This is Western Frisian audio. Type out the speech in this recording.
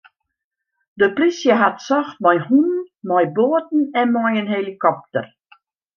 De plysje hat socht mei hûnen, mei boaten en mei in helikopter.